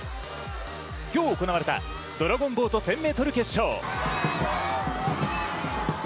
今日行われたドラゴンボート１０００ｍ決勝。